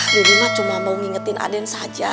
aduh aku mah cuma mau mengingatkan aden saja